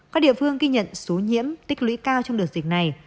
các địa phương ghi nhận số nhiễm tích lũy cao trong đợt dịch này